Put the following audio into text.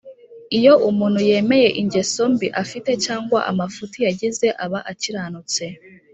iyo umuntu yemeye ingeso mbi afite cyangwa amafuti yagize aba akiranutse